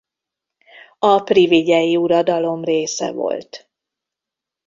A privigyei uradalom része volt.